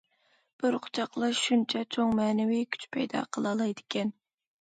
بىر قۇچاقلاش شۇنچە چوڭ مەنىۋى كۈچ پەيدا قىلالايدىكەن.